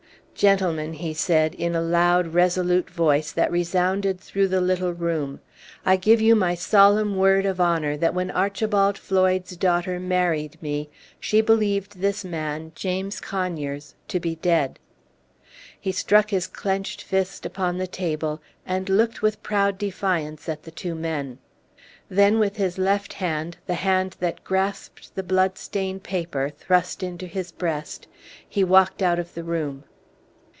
"Gentlemen," he said, in a loud, resolute voice that resounded through the little room, "I give you my solemn word of honor that when Archibald Floyd's daughter married me, she believed this man, James Conyers, to be dead." He struck his clenched fist upon the table, and looked with proud defiance at the two men. Then, with his left hand, the hand that grasped the blood stained paper, thrust into his breast, he walked out of the room.